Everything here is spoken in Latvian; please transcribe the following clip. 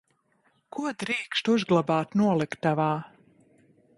Ko drīkst uzglabāt noliktavā?